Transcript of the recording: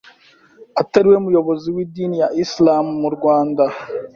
atari we muyobozi w’idini ya Islam mu Rwanda